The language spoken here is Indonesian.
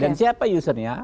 dan siapa usernya